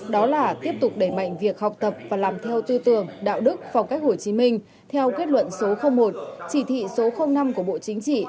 đó là tiếp tục đẩy mạnh việc học tập và làm theo tư tưởng đạo đức phong cách hồ chí minh theo kết luận số một chỉ thị số năm của bộ chính trị